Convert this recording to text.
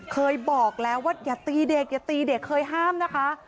เคยบอกแล้วว่าอย่าตีเด็กอย่าตีเด็กเคยห้ามนะคะ